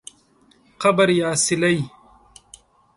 قبر یا څلی